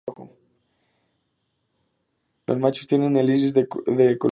Los machos tienen el iris de los ojos de color rojo.